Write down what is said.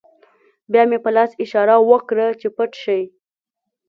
بیا مې په لاس اشاره وکړه چې پټ شئ